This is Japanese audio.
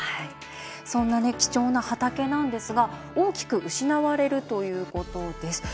そんな貴重な畑なんですが大きく失われるということです。